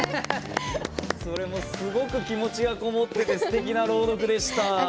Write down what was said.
それもすごく気持ちがこもっててすてきな朗読でした。